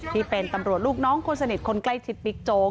ที่เป็นตำรวจลูกน้องคนสนิทคนใกล้ชิดบิ๊กโจ๊ก